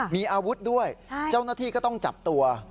มีอาวุธด้วยเจ้าหน้าที่ก็ต้องจับตัว